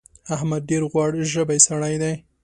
احمد ډېر غوړ ژبی سړی دی.